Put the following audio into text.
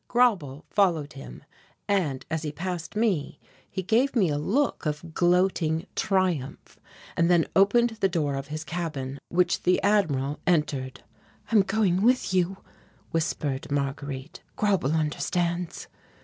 Grauble followed him and, as he passed me, he gave me a look of gloating triumph and then opened the door of his cabin, which the Admiral entered. "I am going with you," whispered Marguerite. "Grauble understands."